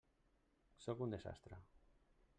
Sóc un desastre.